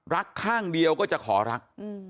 ข้างเดียวก็จะขอรัก